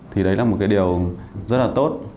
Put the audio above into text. thì đấy là một cái điều rất là tốt